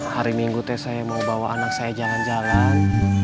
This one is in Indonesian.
hari minggu teh saya bawa anak saya jalan jalan